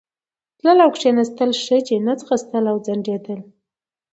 تلل او کښېنستل ښه دي، نه ځغستل او ځنډېدل.